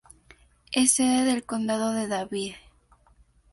Es sede del condado de Davie.